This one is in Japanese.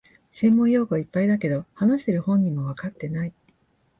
専門用語がいっぱいだけど、話してる本人もわかってない